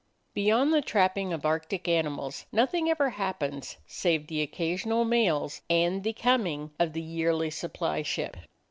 Beyond the trapping of Arctic animals nothing ever happens save the occasional mails and the coming of the yearly supply ship.